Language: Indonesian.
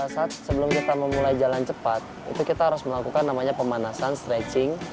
saat sebelum kita memulai jalan cepat itu kita harus melakukan namanya pemanasan stretching